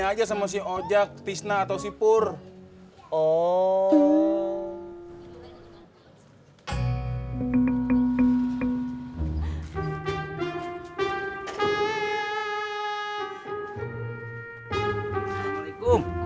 aja sama si ojak pisna atau sipur oh